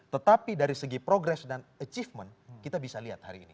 tetapi dari segi progress dan achievement kita bisa lihat hari ini